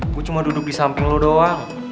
gue cuma duduk disamping lo doang